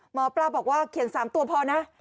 หมอปลาบอกว่าเขียน๓ตัวพอนะ